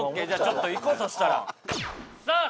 ちょっと行こうそしたらさあ